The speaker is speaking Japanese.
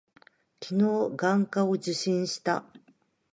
昨日、眼科を受診した。